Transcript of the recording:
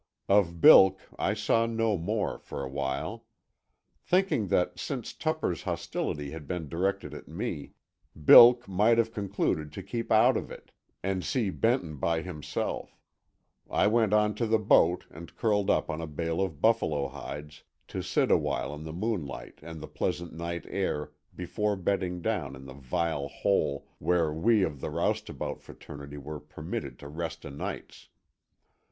Of Bilk I saw no more, for a while. Thinking that since Tupper's hostility had been directed at me, Bilk might have concluded to keep out of it, and see Benton by himself, I went on to the boat and curled up on a bale of buffalo hides, to sit a while in the moonlight and the pleasant night air before bedding down in the vile hole where we of the roustabout fraternity were permitted to rest o' nights.